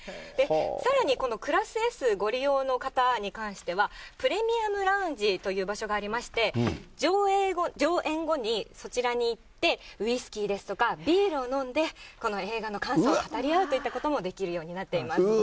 さらにこのクラスＳご利用の方に関しては、プレミアムラウンジという場所がありまして、上映後、上演後に、そちらに行って、ウイスキーですとか、ビールを飲んで、この映画の感想を語り合うといったこともできるようになってます。